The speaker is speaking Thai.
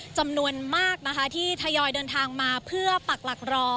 จำนวนมากนะคะที่ทยอยเดินทางมาเพื่อปักหลักรอ